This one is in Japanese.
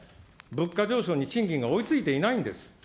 物価上昇に賃金が追いついていないんです。